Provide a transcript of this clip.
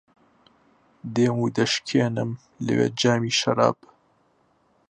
دێم و دەشکێنم لەوێ جامی شەراب